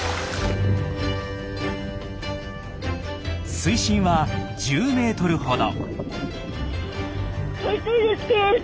水深は１０ｍほど。